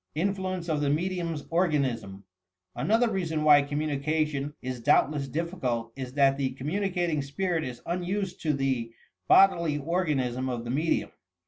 INFLUENCE OP THE MEDIUM 's ORGANISM Another reason why communication is doubtless diffi cult is that the communicating spirit is unused to the bodily organism of the medium.